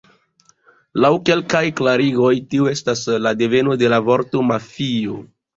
Laŭ kelkaj klarigoj tio estas la deveno de la vorto "mafio".